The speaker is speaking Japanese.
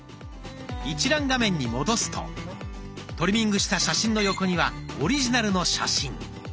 一覧画面に戻すとトリミングした写真の横にはオリジナルの写真。